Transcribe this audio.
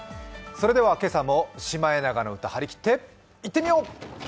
それでは今朝も「シマエナガの歌」張り切っていってみよう！